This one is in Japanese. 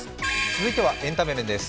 続いてはエンタメ面です。